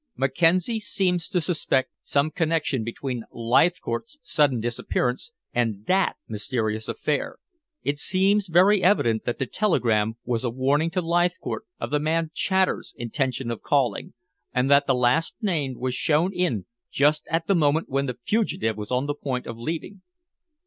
"Mackenzie seems to suspect some connection between Leithcourt's sudden disappearance and that mysterious affair. It seems very evident that the telegram was a warning to Leithcourt of the man Chater's intention of calling, and that the last named was shown in just at the moment when the fugitive was on the point of leaving."